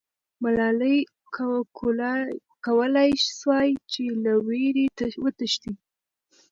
ملالۍ کولای سوای چې له ویرې وتښتي.